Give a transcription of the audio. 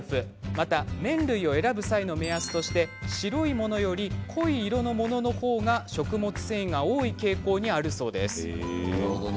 また麺類を選ぶ際の目安として白いものより濃い色のものは食物繊維が多い傾向にあるそうです。